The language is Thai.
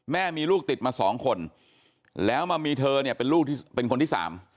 แม่มีลูกติดมา๒คนแล้วมามีเธอเป็นลูกที่เป็นคนที่๓